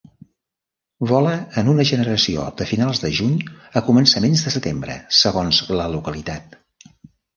Vola en una generació de finals de juny a començaments de setembre segons la localitat.